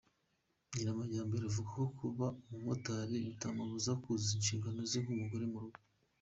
Nyiramajyambere, avuga ko kuba umumotari bitamubuza kuzuza inshingano ze nk’umugore mu rugo.